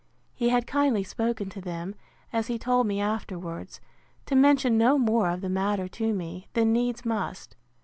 He had kindly spoken to them, as he told me afterwards, to mention no more of the matter to me, than needs must.